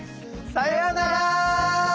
さようなら。